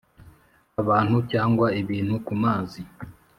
abantu cyangwa ibintu ku mazi